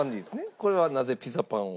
これはなぜピザパンを？